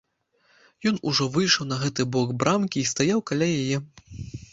Ён ужо выйшаў на гэты бок брамкі і стаяў каля яе.